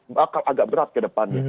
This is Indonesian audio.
bakal agak berat kedepannya